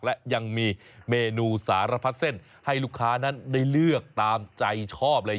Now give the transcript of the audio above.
และยังมีเมนูสารพัดเส้นให้ลูกค้านั้นได้เลือกตามใจชอบเลย